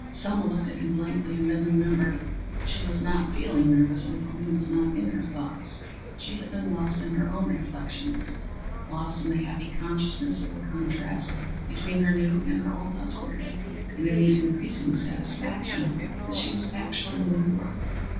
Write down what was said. Selma looked at him blankly and then remembered. She was not feeling nervous, and Pauline was not in her thoughts. She had been lost in her own reflections lost in the happy consciousness of the contrast between her new and her old husband, and in the increasing satisfaction that she was actually in New York.